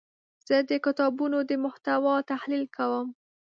زه د کتابونو د محتوا تحلیل کوم.